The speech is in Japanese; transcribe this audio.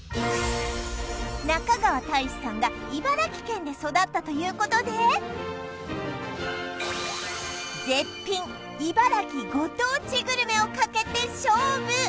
中川大志さんが茨城県で育ったということで絶品茨城ご当地グルメをかけて勝負！